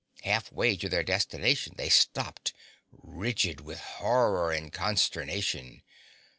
Half way to their destination they stopped, rigid with horror and consternation.